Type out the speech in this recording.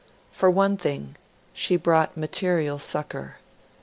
For one thing, she brought material succour.